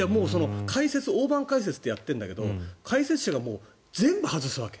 大盤解説ってやってるんだけど解説者が全部外すわけ。